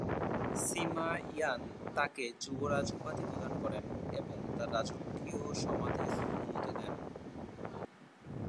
সিমা Yan তাকে যুবরাজ উপাধি প্রদান করেন এবং তার রাজকীয় সমাধির অনুমতি দেন।